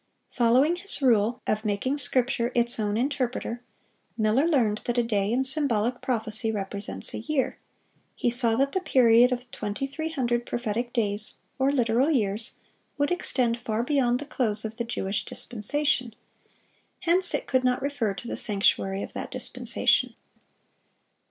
Following his rule of making Scripture its own interpreter, Miller learned that a day in symbolic prophecy represents a year;(537) he saw that the period of 2300 prophetic days, or literal years, would extend far beyond the close of the Jewish dispensation, hence it could not refer to the sanctuary of that dispensation.